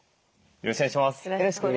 よろしくお願いします。